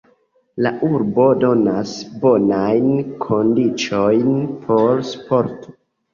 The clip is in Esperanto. La urbo donas bonajn kondiĉojn por sporto.